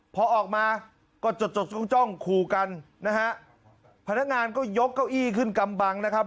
พอออกมาก็จดจดจ้องจ้องคู่กันนะฮะพนักงานก็ยกเก้าอี้ขึ้นกำบังนะครับ